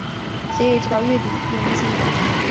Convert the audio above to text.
协议直到月底并无进展。